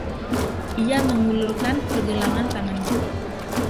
Ia mengulurkan pergelangan tangannya.